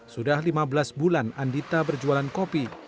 sudah lima belas bulan andita berjualan kopi